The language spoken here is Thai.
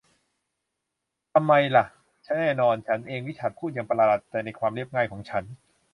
ทำไมหละ แน่นอน ฉันเอง ริชาร์ดพูดอย่างประหลาดใจในความเรียบง่ายของฉัน